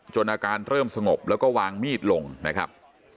อาการเริ่มสงบแล้วก็วางมีดลงนะครับ